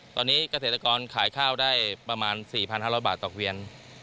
ตอนนี้เกษตรกรขายข้าวได้ประมาณ๔๕๐๐บาทต่อเวียน